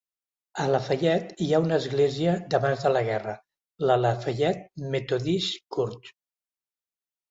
A LaFayette hi ha una església d'abans de la guerra, la Lafayette Methodist Church.